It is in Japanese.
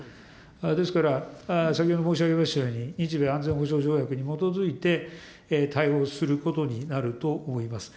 ですから、先ほど申し上げましたように、日米安全保障条約に基づいて対応することになると思います。